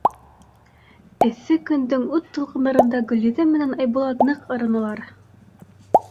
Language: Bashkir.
Эҫе көндөң ут тулҡындарында Гөлйөҙөм менән Айбулат ныҡ арынылар.